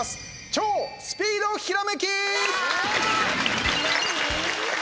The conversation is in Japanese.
超スピードひらめき！